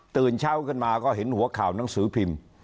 ตื่นเช้าขึ้นมาก็เห็นหัวข่าวหนังสือพิมพ์